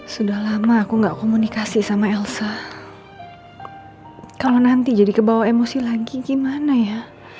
sampai jumpa di video selanjutnya